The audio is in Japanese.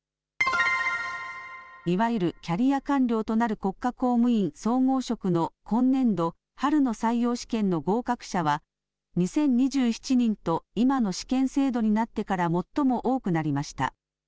いわゆるキャリア官僚となる国家公務員総合職の今年度春の採用試験の合格者は２０２７人と今の試験制度になってから最も多くなりました。